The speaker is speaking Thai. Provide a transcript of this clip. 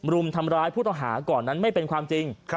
รุมทำร้ายผู้ต้องหาก่อนนั้นไม่เป็นความจริง